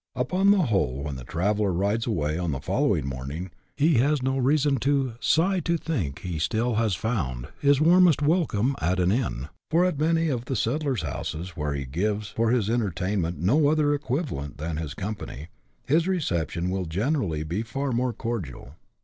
Upon the whole, when the traveller rides away on the following morning, he has no reason to Sigh to think he still has found His warmest welcome at an Inn ;" for at many of the settlers' houses, where he gives for his enter tainment no other equivalent than his company, his reception will generally be far more cordial.